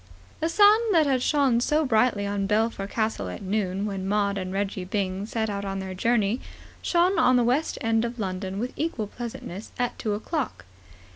The sun that had shone so brightly on Belpher Castle at noon, when Maud and Reggie Byng set out on their journey, shone on the West End of London with equal pleasantness at two o'clock.